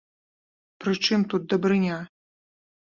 Пры чым тут дабрыня?